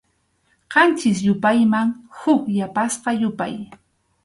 Qanchis yupayman huk yapasqa yupay.